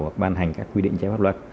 hoặc ban hành các quy định chế pháp luật